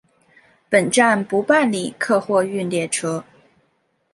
本站不办理客货运列车。